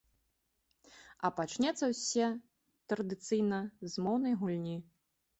А пачнецца ўсе традыцыйна з моўнай гульні.